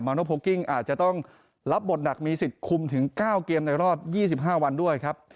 โนโพลกิ้งอาจจะต้องรับบทหนักมีสิทธิ์คุมถึง๙เกมในรอบ๒๕วันด้วยครับ